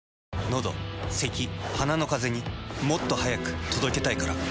のどせき鼻のカゼにもっと速く届けたいから。